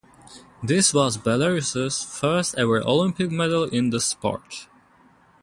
This was Belarus' first-ever Olympic medal in the sport.